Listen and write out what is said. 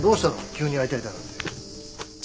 急に会いたいだなんて。